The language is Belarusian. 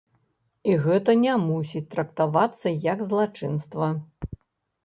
І гэта не мусіць трактавацца як злачынства.